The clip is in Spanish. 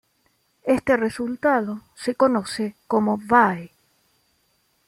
Este resultado se conoce como "bye".